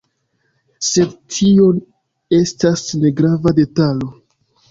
Sed tio estas negrava detalo.